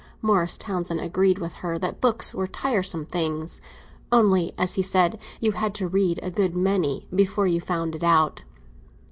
Morris Townsend agreed with her that books were tiresome things; only, as he said, you had to read a good many before you found it out.